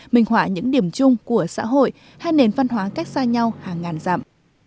minh họa những điểm chung của xã hội hai nền văn hóa cách xa nhau hàng ngàn dặm